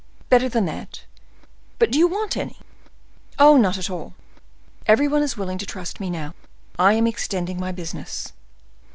"Better than that. But do you want any?" "Oh! not at all. Every one is willing to trust me now. I am extending my business."